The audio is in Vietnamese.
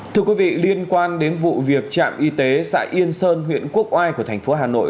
thưa quý vị liên quan đến vụ việc trạm y tế xã yên sơn huyện quốc oai của thành phố hà nội